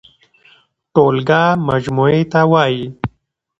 ټولګه مجموعې ته وايي.